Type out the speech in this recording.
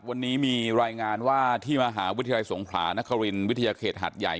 วันนี้มีรายงานว่าที่มหาวิทยาลัยสงขลานครินวิทยาเขตหัดใหญ่